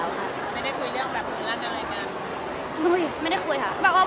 ไม่ได้คุยเรื่องแบบมีรักยังไงกัน